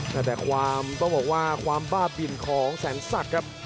แต่หนัดแต่ความต้องบอกว่าความบ้าบินของแสนสักครับ